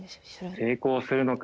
成功するのか？